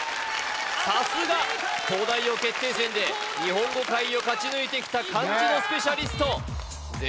さすが東大王決定戦で日本語回を勝ち抜いてきた漢字のスペシャリストすげえ